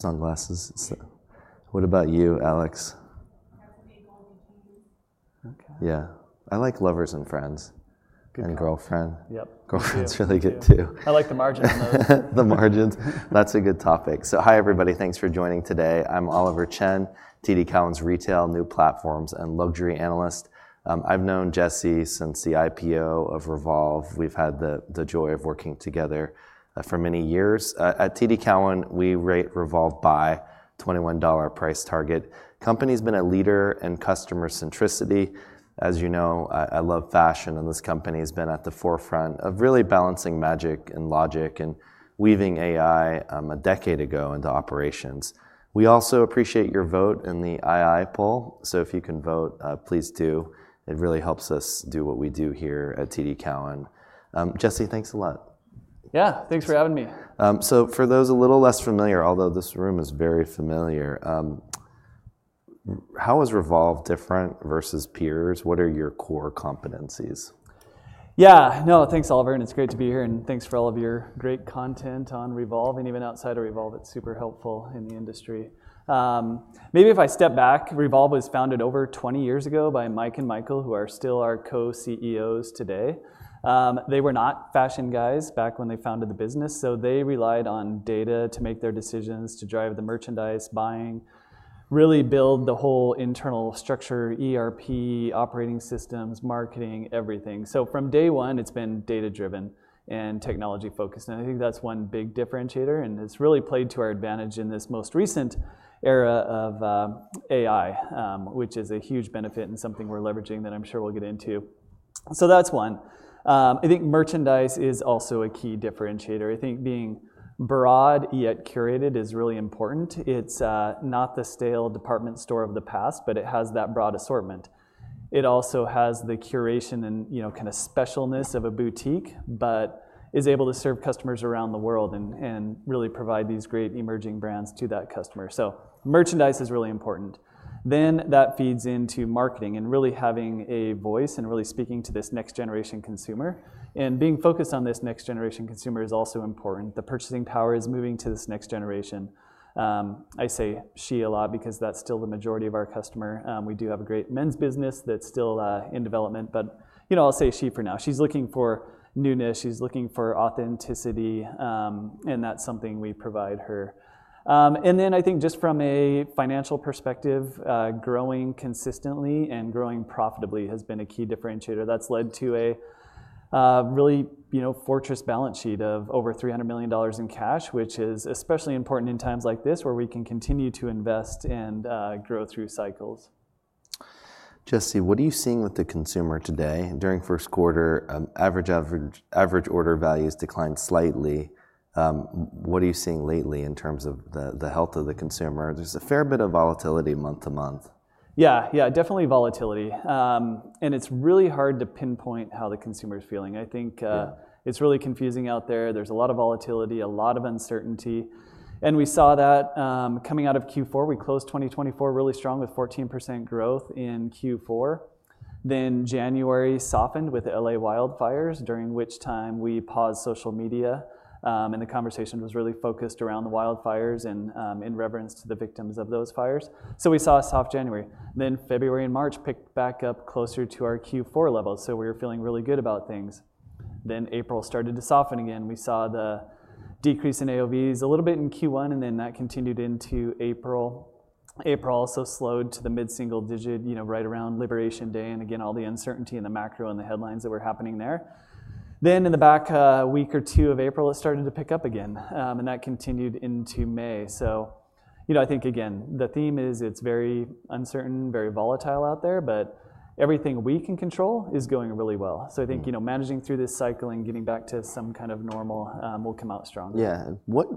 Sunglasses. What about you, Alex? Anthony De Rosa. Okay. Yeah. I like Lovers and Friends. Good. And Girlfriend. Yep. Girlfriend's really good too. I like the margins though. The margins. That's a good topic. Hi everybody. Thanks for joining today. I'm Oliver Chen, TD Cowen's retail, new platforms, and luxury analyst. I've known Jesse since the IPO of Revolve. We've had the joy of working together for many years. At TD Cowen, we rate Revolve by $21 price target. The company's been a leader in customer centricity. As you know, I love fashion, and this company has been at the forefront of really balancing magic and logic and weaving AI a decade ago into operations. We also appreciate your vote in the AI poll. If you can vote, please do. It really helps us do what we do here at TD Cowen. Jesse, thanks a lot. Yeah, thanks for having me. For those a little less familiar, although this room is very familiar, how is Revolve different versus peers? What are your core competencies? Yeah. No, thanks Oliver. It's great to be here. Thanks for all of your great content on Revolve. Even outside of Revolve, it's super helpful in the industry. Maybe if I step back, Revolve was founded over 20 years ago by Mike and Michael, who are still our co-CEOs today. They were not fashion guys back when they founded the business, so they relied on data to make their decisions, to drive the merchandise, buying, really build the whole internal structure, ERP, operating systems, marketing, everything. From day one, it's been data-driven and technology-focused. I think that's one big differentiator. It's really played to our advantage in this most recent era of AI, which is a huge benefit and something we're leveraging that I'm sure we'll get into. That's one. I think merchandise is also a key differentiator. I think being broad yet curated is really important. It's not the stale department store of the past, but it has that broad assortment. It also has the curation and kind of specialness of a boutique, but is able to serve customers around the world and really provide these great emerging brands to that customer. Merchandise is really important. That feeds into marketing and really having a voice and really speaking to this next-generation consumer. Being focused on this next-generation consumer is also important. The purchasing power is moving to this next generation. I say she a lot because that's still the majority of our customer. We do have a great men's business that's still in development, but I'll say she for now. She's looking for newness. She's looking for authenticity. That's something we provide her. I think just from a financial perspective, growing consistently and growing profitably has been a key differentiator. That has led to a really fortress balance sheet of over $300 million in cash, which is especially important in times like this where we can continue to invest and grow through cycles. Jesse, what are you seeing with the consumer today? During first quarter, average order values declined slightly. What are you seeing lately in terms of the health of the consumer? There's a fair bit of volatility month to month. Yeah, yeah, definitely volatility. It's really hard to pinpoint how the consumer's feeling. I think it's really confusing out there. There's a lot of volatility, a lot of uncertainty. We saw that coming out of Q4. We closed 2024 really strong with 14% growth in Q4. January softened with Los Angeles wildfires, during which time we paused social media. The conversation was really focused around the wildfires and in reverence to the victims of those fires. We saw a soft January. February and March picked back up closer to our Q4 levels. We were feeling really good about things. April started to soften again. We saw the decrease in AOVs a little bit in Q1, and that continued into April. April also slowed to the mid-single digit, right around Liberation Day. All the uncertainty and the macro and the headlines that were happening there. In the back week or two of April, it started to pick up again. That continued into May. I think, again, the theme is it's very uncertain, very volatile out there, but everything we can control is going really well. I think managing through this cycle and getting back to some kind of normal will come out stronger. Yeah. What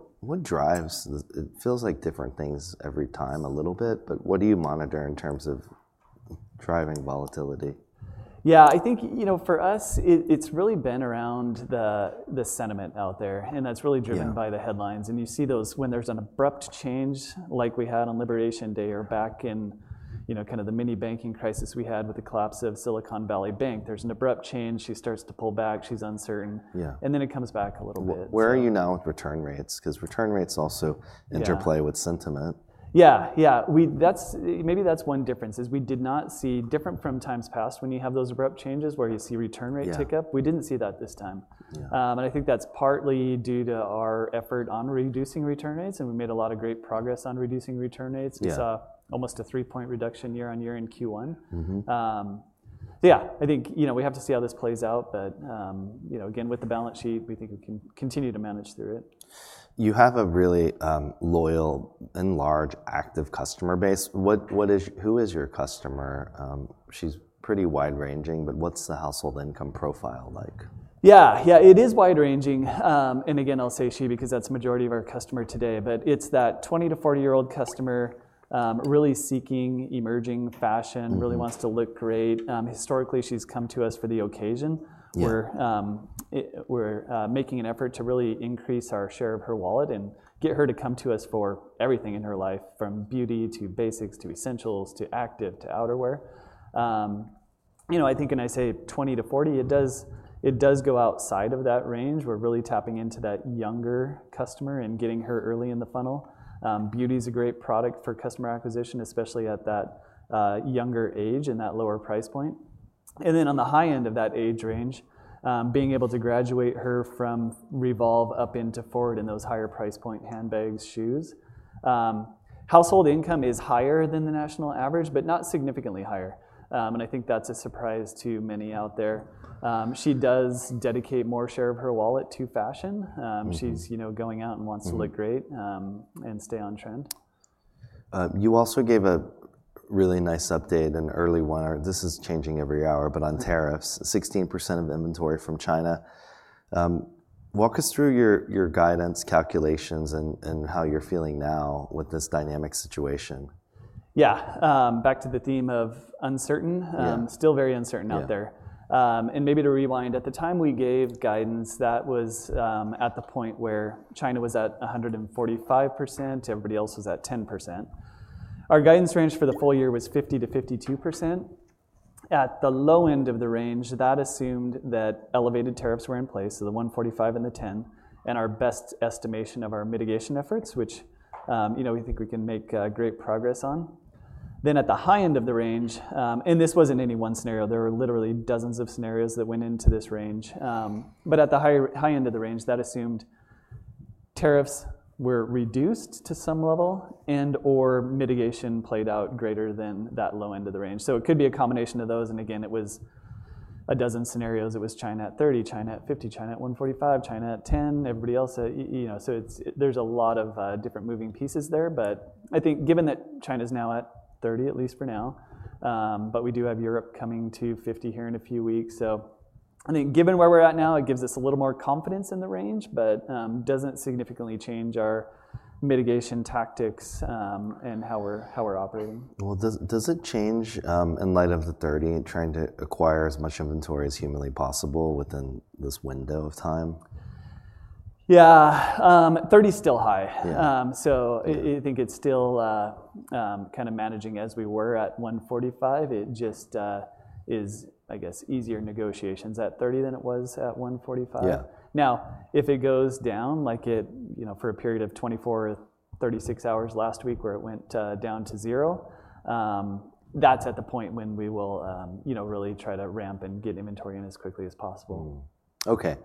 drives? It feels like different things every time a little bit, but what do you monitor in terms of driving volatility? Yeah, I think for us, it's really been around the sentiment out there. That's really driven by the headlines. You see those when there's an abrupt change like we had on Liberation Day or back in kind of the mini banking crisis we had with the collapse of Silicon Valley Bank. There's an abrupt change. She starts to pull back. She's uncertain. It comes back a little bit. Where are you now with return rates? Because return rates also interplay with sentiment. Yeah, yeah. Maybe that's one difference is we did not see, different from times past when you have those abrupt changes where you see return rate hiccup. We did not see that this time. I think that's partly due to our effort on reducing return rates. We made a lot of great progress on reducing return rates. We saw almost a three-point reduction year on year in Q1. Yeah, I think we have to see how this plays out. With the balance sheet, we think we can continue to manage through it. You have a really loyal and large active customer base. Who is your customer? She's pretty wide-ranging, but what's the household income profile like? Yeah, yeah, it is wide-ranging. Again, I'll say she because that's the majority of our customer today. It's that 20-40-year-old customer really seeking emerging fashion, really wants to look great. Historically, she's come to us for the occasion. We're making an effort to really increase our share of her wallet and get her to come to us for everything in her life, from beauty to basics to essentials to active to outerwear. I think, and I say 20-40, it does go outside of that range. We're really tapping into that younger customer and getting her early in the funnel. Beauty's a great product for customer acquisition, especially at that younger age and that lower price point. On the high end of that age range, being able to graduate her from Revolve up into FWRD and those higher price point handbags, shoes. Household income is higher than the national average, but not significantly higher. I think that's a surprise to many out there. She does dedicate more share of her wallet to fashion. She's going out and wants to look great and stay on trend. You also gave a really nice update, an early one. This is changing every hour, but on tariffs, 16% of inventory from China. Walk us through your guidance calculations and how you're feeling now with this dynamic situation. Yeah, back to the theme of uncertain. Still very uncertain out there. Maybe to rewind, at the time we gave guidance, that was at the point where China was at 145%. Everybody else was at 10%. Our guidance range for the full year was 50%-52%. At the low end of the range, that assumed that elevated tariffs were in place, so the 145% and the 10%, and our best estimation of our mitigation efforts, which we think we can make great progress on. At the high end of the range, and this was not any one scenario. There were literally dozens of scenarios that went into this range. At the high end of the range, that assumed tariffs were reduced to some level and/or mitigation played out greater than that low end of the range. It could be a combination of those. It was a dozen scenarios. It was China at 30, China at 50, China at 145, China at 10, everybody else. There are a lot of different moving pieces there. I think given that China's now at 30, at least for now, we do have Europe coming to 50 here in a few weeks. I think given where we're at now, it gives us a little more confidence in the range, but does not significantly change our mitigation tactics and how we're operating. Does it change in light of the 30, trying to acquire as much inventory as humanly possible within this window of time? Yeah, 30's still high. I think it's still kind of managing as we were at 145. It just is, I guess, easier negotiations at 30 than it was at 145. Now, if it goes down for a period of 24-36 hours last week where it went down to zero, that's at the point when we will really try to ramp and get inventory in as quickly as possible. Okay.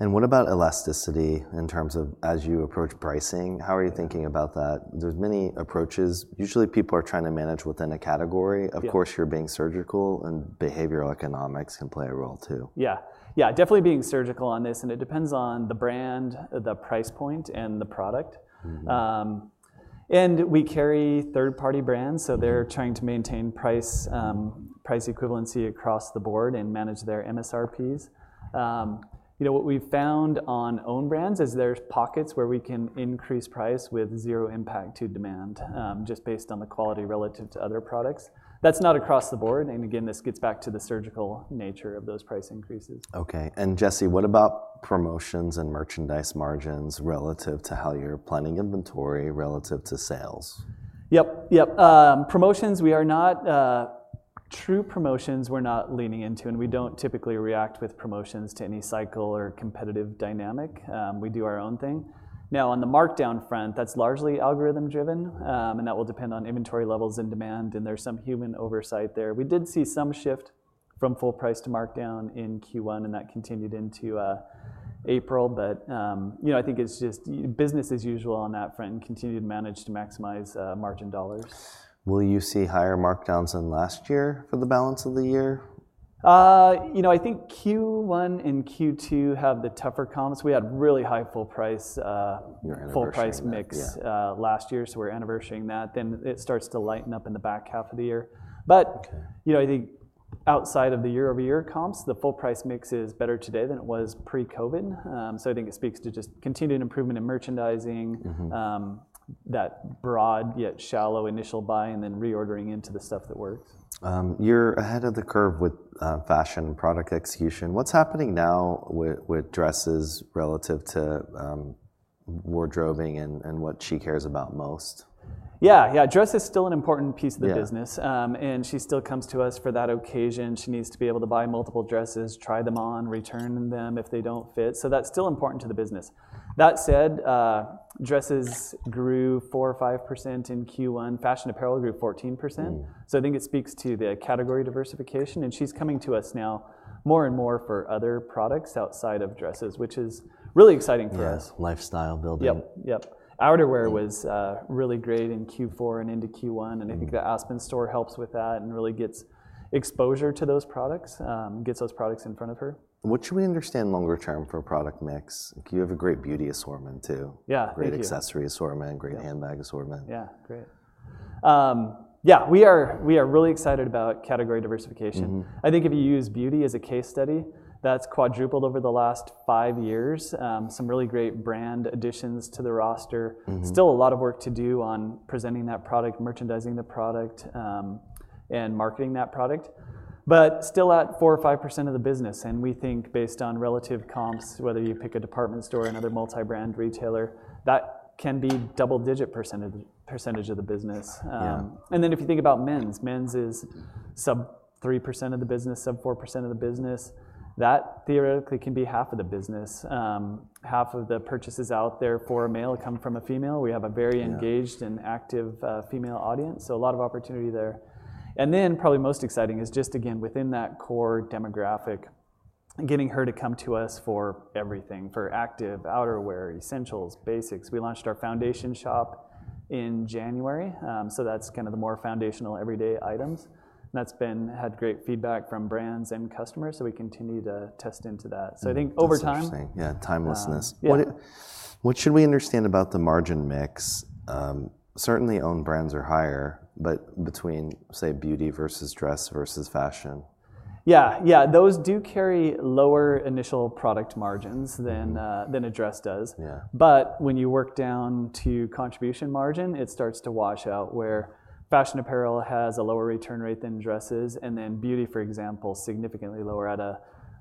What about elasticity in terms of as you approach pricing? How are you thinking about that? There are many approaches. Usually, people are trying to manage within a category. Of course, you're being surgical, and behavioral economics can play a role too. Yeah, yeah, definitely being surgical on this. It depends on the brand, the price point, and the product. We carry third-party brands. They're trying to maintain price equivalency across the board and manage their MSRPs. What we've found on own brands is there's pockets where we can increase price with zero impact to demand, just based on the quality relative to other products. That's not across the board. This gets back to the surgical nature of those price increases. Okay. Jesse, what about promotions and merchandise margins relative to how you're planning inventory relative to sales? Yep, yep. Promotions, we are not true promotions, we're not leaning into. We don't typically react with promotions to any cycle or competitive dynamic. We do our own thing. Now, on the markdown front, that's largely algorithm-driven. That will depend on inventory levels and demand. There is some human oversight there. We did see some shift from full price to markdown in Q1. That continued into April. I think it's just business as usual on that front and continue to manage to maximize margin dollars. Will you see higher markdowns than last year for the balance of the year? I think Q1 and Q2 have the tougher comps. We had really high full price mix last year. We are anniversarying that. It starts to lighten up in the back half of the year. I think outside of the year-over-year comps, the full price mix is better today than it was pre-COVID. I think it speaks to just continued improvement in merchandising, that broad yet shallow initial buy, and then reordering into the stuff that works. You're ahead of the curve with fashion product execution. What's happening now with dresses relative to wardrobing and what she cares about most? Yeah, yeah, dress is still an important piece of the business. And she still comes to us for that occasion. She needs to be able to buy multiple dresses, try them on, return them if they do not fit. That is still important to the business. That said, dresses grew 4% or 5% in Q1. Fashion apparel grew 14%. I think it speaks to the category diversification. She is coming to us now more and more for other products outside of dresses, which is really exciting for us. Yes, lifestyle building. Yep, yep. Outerwear was really great in Q4 and into Q1. I think the Aspen store helps with that and really gets exposure to those products, gets those products in front of her. What should we understand longer term for product mix? You have a great beauty assortment too. Yeah, great. Great accessory assortment, great handbag assortment. Yeah, great. Yeah, we are really excited about category diversification. I think if you use beauty as a case study, that's quadrupled over the last five years. Some really great brand additions to the roster. Still a lot of work to do on presenting that product, merchandising the product, and marketing that product. Still at 4% or 5% of the business. We think based on relative comps, whether you pick a department store or another multi-brand retailer, that can be double-digit percentage of the business. If you think about men's, men's is sub 3% of the business, sub 4% of the business. That theoretically can be half of the business. Half of the purchases out there for a male come from a female. We have a very engaged and active female audience. A lot of opportunity there. Probably most exciting is just, again, within that core demographic, getting her to come to us for everything, for active, outerwear, essentials, basics. We launched our foundation shop in January. That is kind of the more foundational everyday items. That has had great feedback from brands and customers. We continue to test into that. I think over time. Interesting. Yeah, timelessness. What should we understand about the margin mix? Certainly, own brands are higher, but between, say, beauty versus dress versus fashion. Yeah, yeah, those do carry lower initial product margins than a dress does. But when you work down to contribution margin, it starts to wash out where fashion apparel has a lower return rate than dresses. And then beauty, for example, significantly lower at a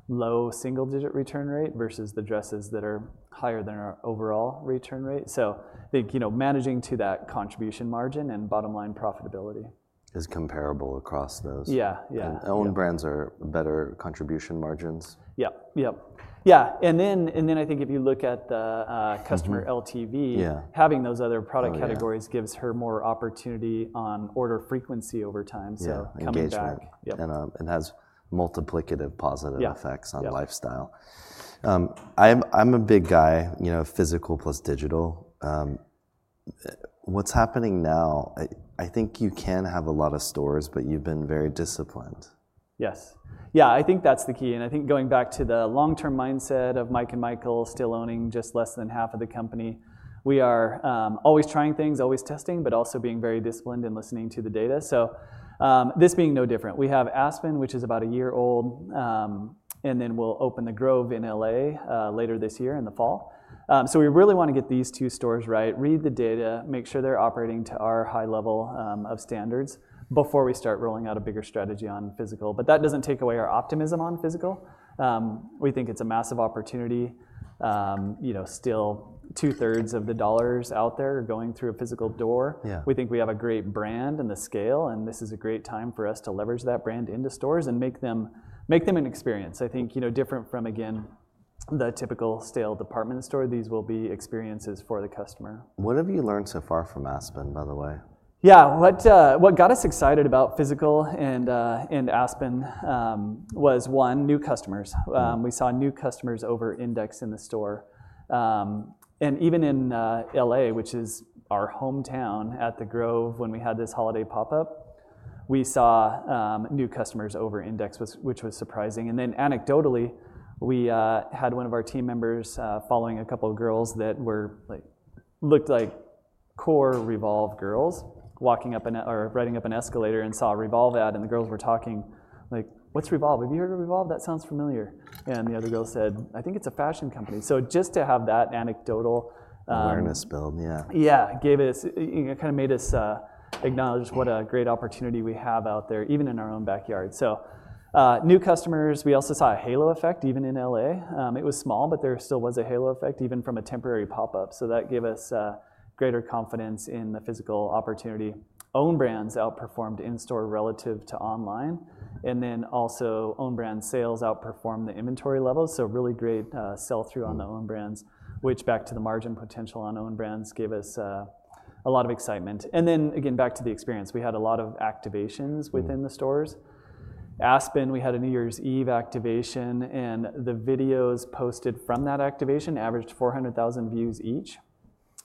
low single-digit return rate versus the dresses that are higher than our overall return rate. So, I think managing to that contribution margin and bottom line profitability. Is comparable across those. Yeah, yeah. Own brands are better contribution margins. Yep, yep. Yeah, and then I think if you look at the customer LTV, having those other product categories gives her more opportunity on order frequency over time. Coming back. Engagement. Yep. It has multiplicative positive effects on lifestyle. I'm a big guy, physical plus digital. What's happening now? I think you can have a lot of stores, but you've been very disciplined. Yes. Yeah, I think that's the key. I think going back to the long-term mindset of Mike and Michael still owning just less than half of the company, we are always trying things, always testing, but also being very disciplined and listening to the data. This being no different. We have Aspen, which is about a year old. We will open The Grove in Los Angeles later this year in the fall. We really want to get these two stores right, read the data, make sure they're operating to our high level of standards before we start rolling out a bigger strategy on physical. That does not take away our optimism on physical. We think it's a massive opportunity. Still, two-thirds of the dollars out there are going through a physical door. We think we have a great brand and the scale. This is a great time for us to leverage that brand into stores and make them an experience. I think different from, again, the typical stale department store, these will be experiences for the customer. What have you learned so far from Aspen, by the way? Yeah, what got us excited about physical and Aspen was, one, new customers. We saw new customers over index in the store. Even in L.A., which is our hometown at The Grove when we had this holiday pop-up, we saw new customers over index, which was surprising. Anecdotally, we had one of our team members following a couple of girls that looked like core Revolve girls walking up or riding up an escalator and saw a Revolve ad. The girls were talking like, "What's Revolve? Have you heard of Revolve? That sounds familiar." The other girl said, "I think it's a fashion company." Just to have that anecdotal. Awareness build, yeah. Yeah, it kind of made us acknowledge what a great opportunity we have out there, even in our own backyard. New customers. We also saw a halo effect even in L.A. It was small, but there still was a halo effect even from a temporary pop-up. That gave us greater confidence in the physical opportunity. Own brands outperformed in store relative to online. Own brand sales outperformed the inventory levels. Really great sell-through on the own brands, which, back to the margin potential on own brands, gave us a lot of excitement. Back to the experience. We had a lot of activations within the stores. Aspen, we had a New Year's Eve activation. The videos posted from that activation averaged 400,000 views each,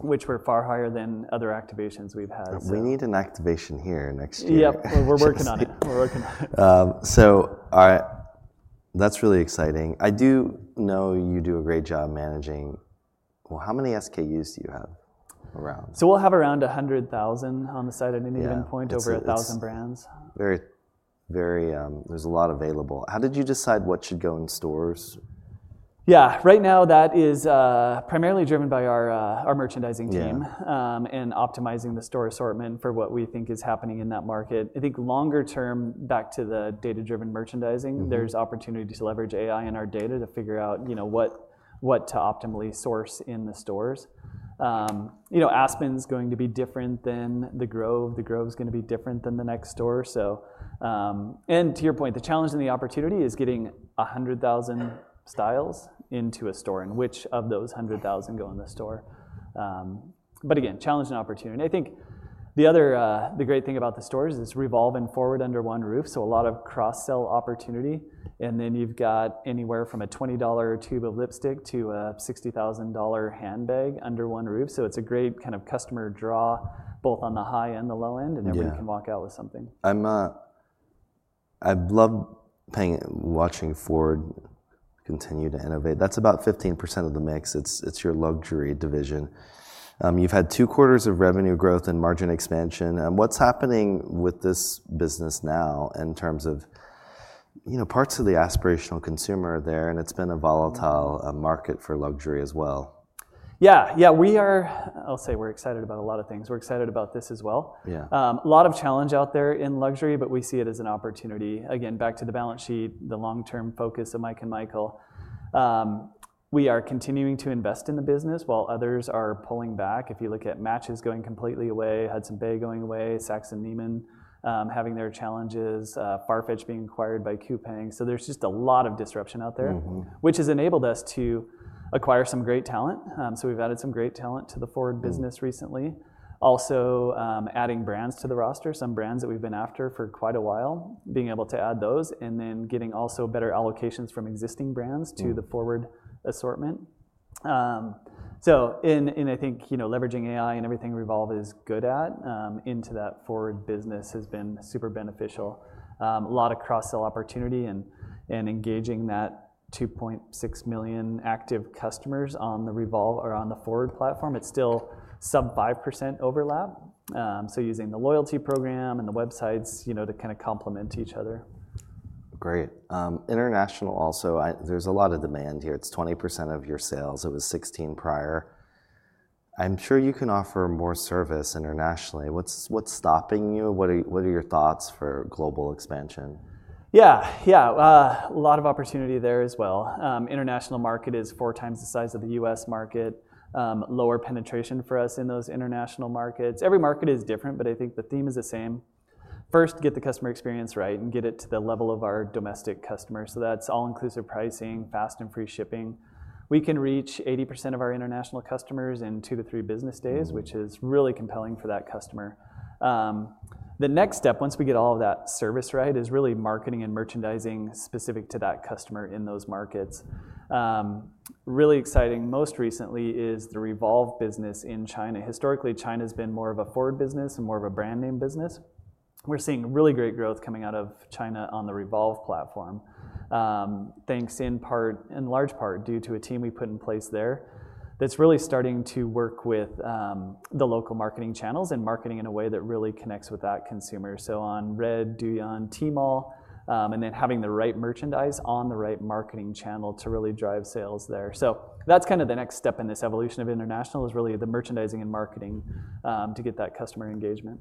which were far higher than other activations we've had. We need an activation here next year. Yep, we're working on it. We're working on it. That's really exciting. I do know you do a great job managing. Well, how many SKUs do you have around? We'll have around 100,000 on the site at any given point over 1,000 brands. Very, very, there's a lot available. How did you decide what should go in stores? Yeah, right now that is primarily driven by our merchandising team and optimizing the store assortment for what we think is happening in that market. I think longer term, back to the data-driven merchandising, there's opportunity to leverage AI and our data to figure out what to optimally source in the stores. Aspen's going to be different than the Grove. The Grove's going to be different than the next store. To your point, the challenge and the opportunity is getting 100,000 styles into a store. And which of those 100,000 go in the store? Again, challenge and opportunity. I think the other great thing about the stores is it's Revolve and Forward under one roof. A lot of cross-sell opportunity. Then you've got anywhere from a $20 tube of lipstick to a $60,000 handbag under one roof. It's a great kind of customer draw, both on the high and the low end. Everyone can walk out with something. I love watching FWRD continue to innovate. That's about 15% of the mix. It's your luxury division. You've had two quarters of revenue growth and margin expansion. What's happening with this business now in terms of parts of the aspirational consumer are there. It's been a volatile market for luxury as well. Yeah, yeah, we are, I'll say we're excited about a lot of things. We're excited about this as well. Yeah, a lot of challenge out there in luxury, but we see it as an opportunity. Again, back to the balance sheet, the long-term focus of Mike and Michael. We are continuing to invest in the business while others are pulling back. If you look at Matches going completely away, Hudson's Bay going away, Saks and Neiman having their challenges, Farfetch being acquired by Coupang. There is just a lot of disruption out there, which has enabled us to acquire some great talent. We have added some great talent to the FWRD business recently. Also, adding brands to the roster, some brands that we've been after for quite a while, being able to add those. And then getting also better allocations from existing brands to the FWRD assortment. I think leveraging AI and everything Revolve is good at into that Forward business has been super beneficial. A lot of cross-sell opportunity and engaging that 2.6 million active customers on the Revolve or on the Forward platform. It's still sub 5% overlap. Using the loyalty program and the websites to kind of complement each other. Great. International also, there's a lot of demand here. It's 20% of your sales. It was 16% prior. I'm sure you can offer more service internationally. What's stopping you? What are your thoughts for global expansion? Yeah, yeah, a lot of opportunity there as well. International market is four times the size of the U.S. market, lower penetration for us in those international markets. Every market is different, but I think the theme is the same. First, get the customer experience right and get it to the level of our domestic customers. That is all-inclusive pricing, fast and free shipping. We can reach 80% of our international customers in two to three business days, which is really compelling for that customer. The next step, once we get all of that service right, is really marketing and merchandising specific to that customer in those markets. Really exciting most recently is the Revolve business in China. Historically, China has been more of a FWRD business and more of a brand name business. We're seeing really great growth coming out of China on the Revolve platform, thanks in part, in large part, due to a team we put in place there that's really starting to work with the local marketing channels and marketing in a way that really connects with that consumer. On RED, Douyin, Tmall, and then having the right merchandise on the right marketing channel to really drive sales there. That's kind of the next step in this evolution of international is really the merchandising and marketing to get that customer engagement.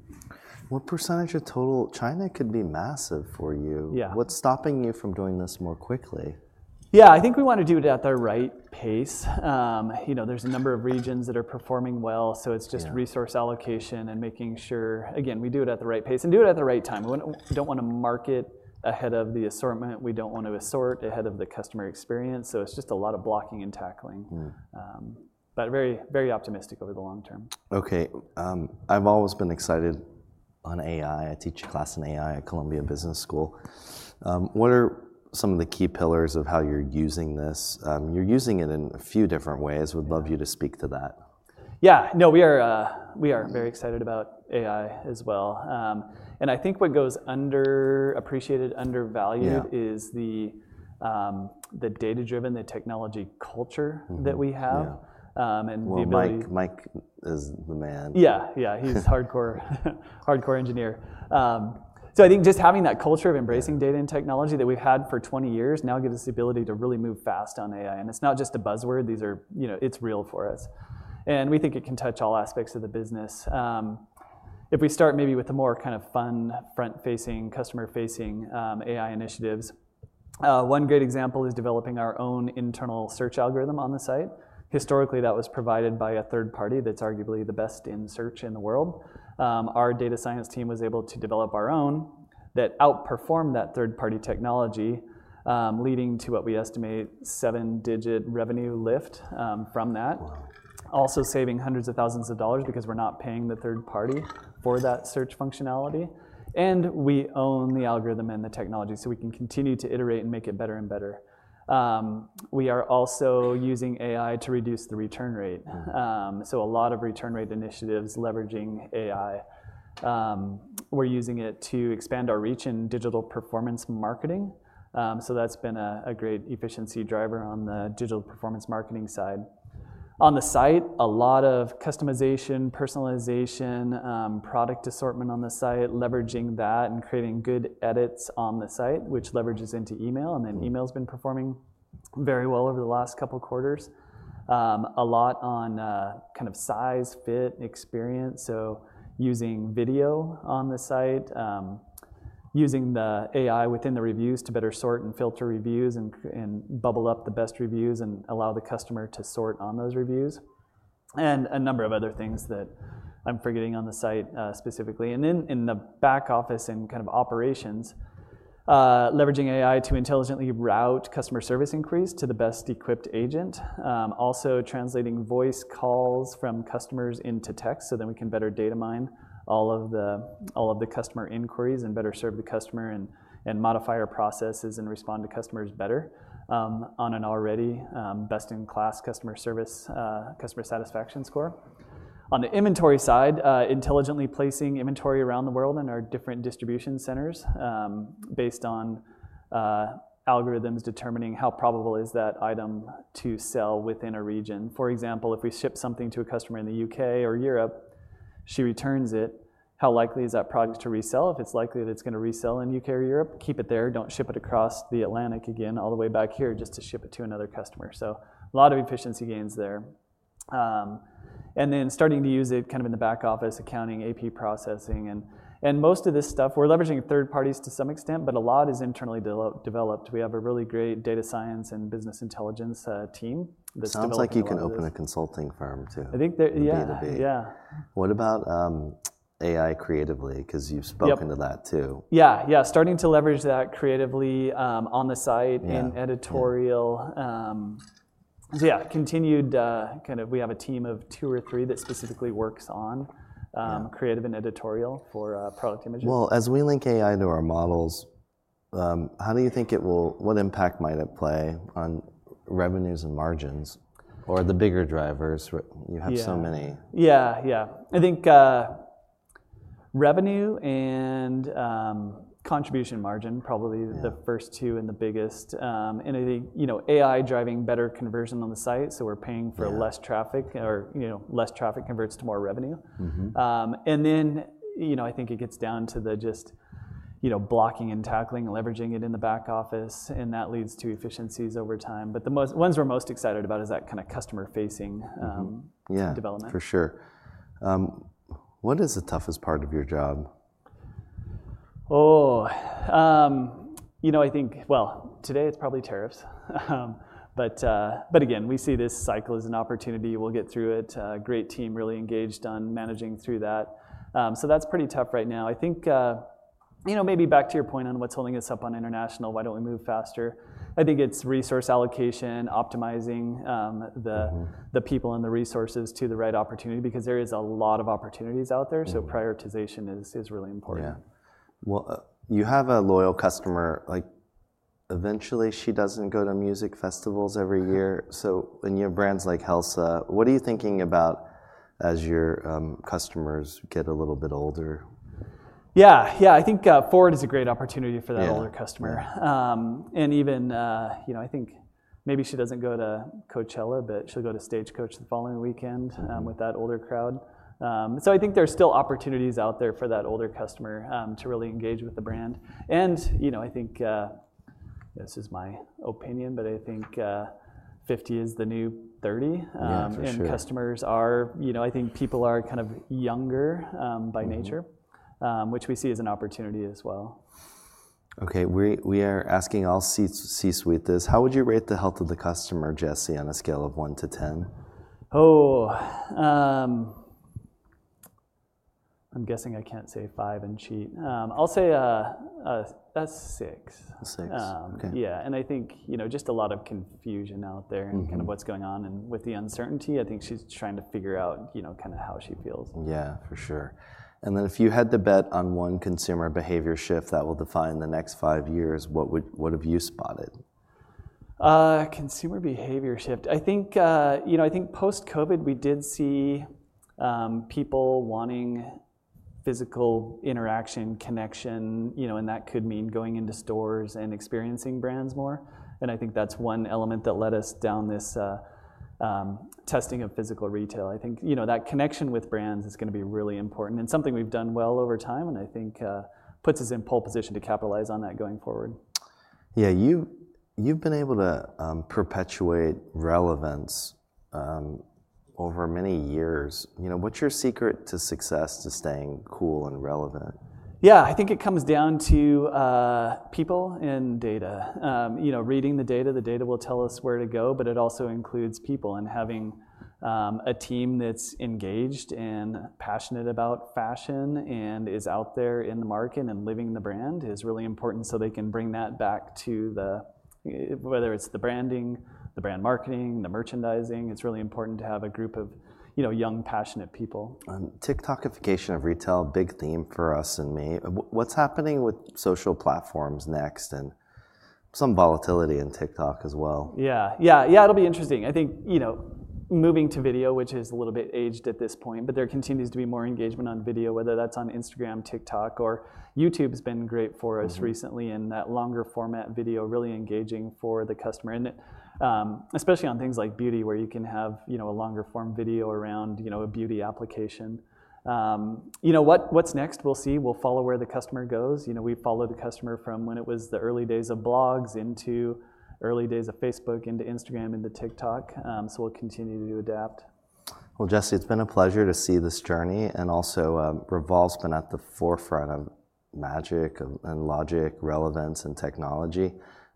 What percentage of total China could be massive for you? Yeah. What's stopping you from doing this more quickly? Yeah, I think we want to do it at the right pace. There are a number of regions that are performing well. It is just resource allocation and making sure, again, we do it at the right pace and do it at the right time. We do not want to market ahead of the assortment. We do not want to assort ahead of the customer experience. It is just a lot of blocking and tackling. Very, very optimistic over the long term. Okay. I've always been excited on AI. I teach a class in AI at Columbia Business School. What are some of the key pillars of how you're using this? You're using it in a few different ways. We'd love you to speak to that. Yeah, no, we are very excited about AI as well. I think what goes underappreciated, undervalued is the data-driven, the technology culture that we have. Mike is the man. Yeah, yeah, he's hardcore engineer. I think just having that culture of embracing data and technology that we've had for 20 years now gives us the ability to really move fast on AI. It's not just a buzzword. It's real for us. We think it can touch all aspects of the business. If we start maybe with the more kind of fun, front-facing, customer-facing AI initiatives, one great example is developing our own internal search algorithm on the site. Historically, that was provided by a third party that's arguably the best in search in the world. Our data science team was able to develop our own that outperformed that third-party technology, leading to what we estimate seven-digit revenue lift from that, also saving hundreds of thousands of dollars because we're not paying the third party for that search functionality. We own the algorithm and the technology. We can continue to iterate and make it better and better. We are also using AI to reduce the return rate. A lot of return rate initiatives leveraging AI. We are using it to expand our reach in digital performance marketing. That has been a great efficiency driver on the digital performance marketing side. On the site, a lot of customization, personalization, product assortment on the site, leveraging that and creating good edits on the site, which leverages into email. Email has been performing very well over the last couple of quarters. A lot on kind of size, fit, experience. Using video on the site, using the AI within the reviews to better sort and filter reviews and bubble up the best reviews and allow the customer to sort on those reviews. A number of other things that I'm forgetting on the site specifically. In the back office and kind of operations, leveraging AI to intelligently route customer service inquiries to the best equipped agent. Also translating voice calls from customers into text, so we can better data mine all of the customer inquiries and better serve the customer and modify our processes and respond to customers better on an already best-in-class customer service customer satisfaction score. On the inventory side, intelligently placing inventory around the world in our different distribution centers based on algorithms determining how probable is that item to sell within a region. For example, if we ship something to a customer in the U.K. or Europe, she returns it, how likely is that product to resell? If it's likely that it's going to resell in the U.K. or Europe, keep it there. Don't ship it across the Atlantic again all the way back here just to ship it to another customer. A lot of efficiency gains there. Then starting to use it kind of in the back office, accounting, AP processing. Most of this stuff, we're leveraging third parties to some extent, but a lot is internally developed. We have a really great data science and business intelligence team that's on the website. Sounds like you can open a consulting firm too. I think, yeah. B2B. Yeah. What about AI creatively? Because you've spoken to that too. Yeah, yeah, starting to leverage that creatively on the site and editorial. Yeah, continued kind of we have a team of two or three that specifically works on creative and editorial for product images. As we link AI to our models, how do you think it will, what impact might it play on revenues and margins or the bigger drivers? You have so many. Yeah, yeah, yeah. I think revenue and contribution margin probably the first two and the biggest. I think AI driving better conversion on the site. We're paying for less traffic or less traffic converts to more revenue. I think it gets down to the just blocking and tackling, leveraging it in the back office. That leads to efficiencies over time. The ones we're most excited about is that kind of customer-facing development. Yeah, for sure. What is the toughest part of your job? Oh, you know, I think today it's probably tariffs. Again, we see this cycle as an opportunity. We'll get through it. Great team really engaged on managing through that. That's pretty tough right now. I think maybe back to your point on what's holding us up on international, why don't we move faster? I think it's resource allocation, optimizing the people and the resources to the right opportunity because there is a lot of opportunities out there. Prioritization is really important. Yeah. You have a loyal customer. Eventually, she doesn't go to music festivals every year. In your brands like Helsa, what are you thinking about as your customers get a little bit older? Yeah, yeah, I think FWRD is a great opportunity for that older customer. Even I think maybe she doesn't go to Coachella, but she'll go to Stagecoach the following weekend with that older crowd. I think there's still opportunities out there for that older customer to really engage with the brand. I think this is my opinion, but I think 50 is the new 30. Yeah, for sure. Customers are, I think, people are kind of younger by nature, which we see as an opportunity as well. Okay. We are asking all C-suite this. How would you rate the health of the customer, Jesse, on a scale of 1 to 10? Oh, I'm guessing I can't say 5 and cheat. I'll say a 6. 6. Okay. Yeah. I think just a lot of confusion out there and kind of what's going on. With the uncertainty, I think she's trying to figure out kind of how she feels. Yeah, for sure. If you had to bet on one consumer behavior shift that will define the next five years, what have you spotted? Consumer behavior shift. I think post-COVID, we did see people wanting physical interaction, connection. That could mean going into stores and experiencing brands more. I think that's one element that led us down this testing of physical retail. I think that connection with brands is going to be really important and something we've done well over time. I think puts us in pole position to capitalize on that going forward. Yeah, you've been able to perpetuate relevance over many years. What's your secret to success to staying cool and relevant? Yeah, I think it comes down to people and data. Reading the data, the data will tell us where to go. It also includes people. Having a team that's engaged and passionate about fashion and is out there in the market and living the brand is really important so they can bring that back to whether it's the branding, the brand marketing, the merchandising. It's really important to have a group of young, passionate people. TikTokification of retail, big theme for us and me. What's happening with social platforms next and some volatility in TikTok as well? Yeah, yeah, yeah, it'll be interesting. I think moving to video, which is a little bit aged at this point, but there continues to be more engagement on video, whether that's on Instagram, TikTok, or YouTube, has been great for us recently in that longer format video, really engaging for the customer. Especially on things like beauty, where you can have a longer form video around a beauty application. What's next? We'll see. We'll follow where the customer goes. We've followed the customer from when it was the early days of blogs into early days of Facebook, into Instagram, into TikTok. We'll continue to adapt. Jesse, it's been a pleasure to see this journey. Also, Revolve's been at the forefront of magic and logic, relevance, and technology,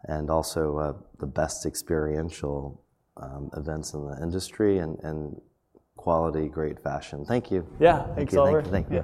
and also the best experiential events in the industry and quality, great fashion. Thank you. Yeah, thanks, Oliver. Thank you.